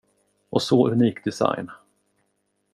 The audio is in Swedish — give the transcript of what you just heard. Och så unik design.